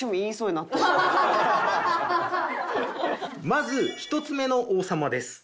まず１つ目の王様です。